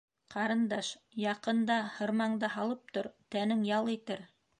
Ҡарындаш, яҡында, һырмаңды һалып тор, тәнең ял итер.